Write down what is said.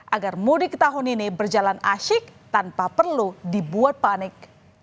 agar mudik tahun ini berjalan asyik tanpa perlu dibuat panik